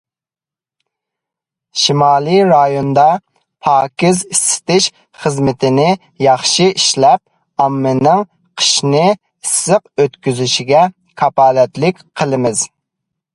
شىمالىي رايوندا پاكىز ئىسسىتىش خىزمىتىنى ياخشى ئىشلەپ، ئاممىنىڭ قىشنى ئىسسىق ئۆتكۈزۈشىگە كاپالەتلىك قىلىمىز.